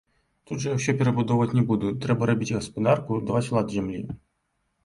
Тут жа я ўсё перабудоўваць буду, трэба рабіць гаспадарку, даваць лад зямлі.